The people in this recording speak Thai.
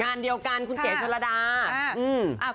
งานเดียวกันคุณเก๋ชนระดา